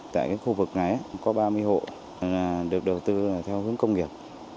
tại cái khu vực này có ba mươi hộ được đầu tư là theo hướng công nghiệp